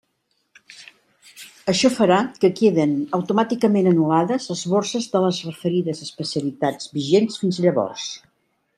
Això farà que queden automàticament anul·lades les borses de les referides especialitats vigents fins llavors.